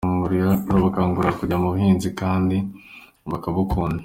Turabakangurira kujya mu buhinzi kandi bakabukunda.